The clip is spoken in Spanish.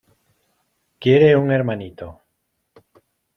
quiere un hermanito.